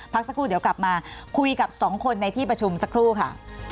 พักสักครู่เดี๋ยวกลับมาคุยกับสองคนในที่ประชุมสักครู่ค่ะ